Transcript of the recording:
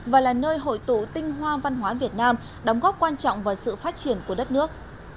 và là nơi hội tụ tinh hoa văn hóa việt nam đóng góp quan trọng vào sự phát triển của đất nước